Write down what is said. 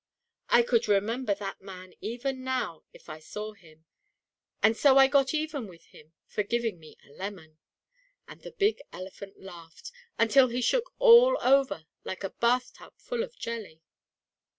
"I could remember that man even now, if I saw him. And so I got even with him for giving me a lemon," and the big elephant laughed, until he shook all over like a bath tub full of jelly.